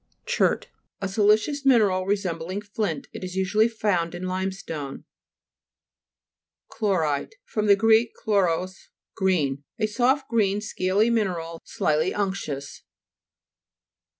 CHERT A siliceous mineral resem bling flint. It is usually found in limestone. CHLO'RITE fr. gr. chloros, green. A soft, green, scaly mineral, slight ly unctuous.